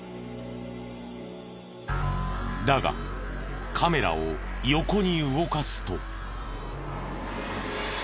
だがカメラを横に動かすと。